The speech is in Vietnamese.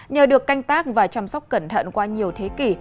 nhờ được canh tác và chăm sóc cẩn thận qua nhiều thế kỷ